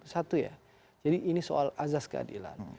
satu ya jadi ini soal azas keadilan